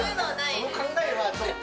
その考えはちょっと。